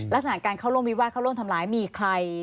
ลักษณะการเข้าร่วมวิวาสเข้าร่วมทำร้ายมีใคร